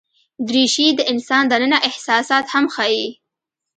دریشي د انسان دننه احساسات هم ښيي.